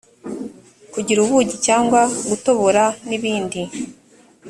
kugira ubugi cyangwa gutobora n ibindi